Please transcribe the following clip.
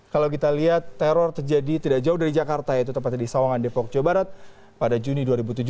kalau kita lihat teror terjadi tidak jauh dari jakarta yaitu tepatnya di sawangan depok jawa barat pada juni dua ribu tujuh belas